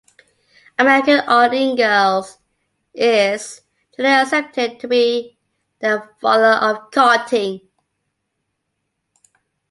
American Art Ingels is generally accepted to be the father of karting.